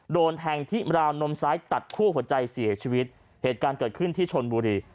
โดนแทงที่ราวนมซ้ายตัดคั่วหัวใจเสียชีวิตเหตุการณ์เกิดขึ้นที่ชนบุรี